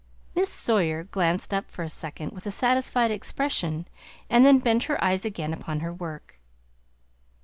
Miss Sawyer glanced up for a second with a satisfied expression and then bent her eyes again upon her work.